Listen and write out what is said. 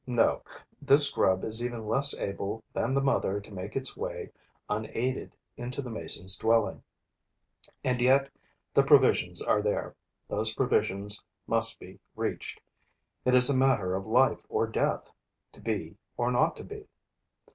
No, this grub is even less able than the mother to make its way unaided into the mason's dwelling. And yet the provisions are there; those provisions must be reached: it is a matter of life or death; to be or not to be.